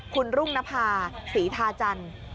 คุณรุ่งนพาศ์ศรีทาจันทร์